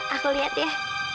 aku liat ya